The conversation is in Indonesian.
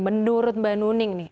menurut mbak nuning nih